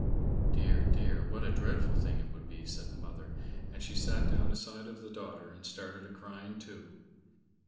"Dear, dear! what a dreadful thing it would be!" said the mother, and she sat her down aside of the daughter and started a crying too.